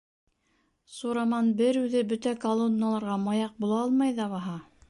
Сураман бер үҙе бөтә колонналарға маяҡ була алмай ҙа баһа?!